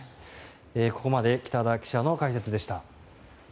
ここまで北田記者の解説でした。